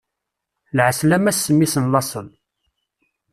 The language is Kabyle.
Lɛeslama s mmi-s n laṣel.